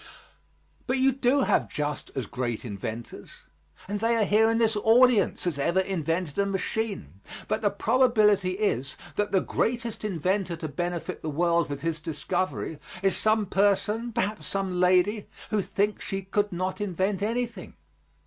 But you do have just as great inventors, and they are here in this audience, as ever invented a machine. But the probability is that the greatest inventor to benefit the world with his discovery is some person, perhaps some lady, who thinks she could not invent anything.